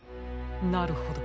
なるほど。